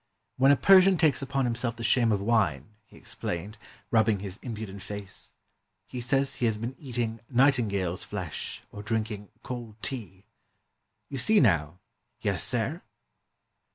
"When a Persian takes upon himself the shame of wine," he explained, rubbing his impudent face, " he says he has been eating ' nightingale's flesh ' or drinking ' cold tea' — you see now; yes, sair?"